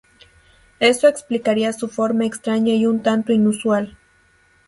Eso explicaría su forma extraña y un tanto inusual.